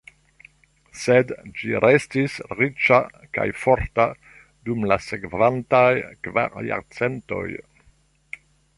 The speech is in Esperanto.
Sed ĝi restis riĉa kaj forta dum la sekvantaj kvar jarcentoj.